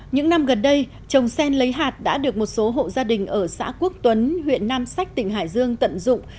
những năm gần đây trồng sen lấy hạt đã được một số hộ gia đình ở xã quốc tuấn huyện nam sách tỉnh hải dương tận dụng